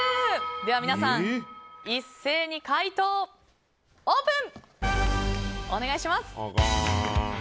皆さん、一斉に回答をオープン！